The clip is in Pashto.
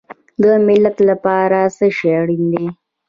د ملت لپاره څه شی اړین دی؟